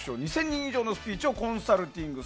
２０００人以上のスピーチをコンサルティング。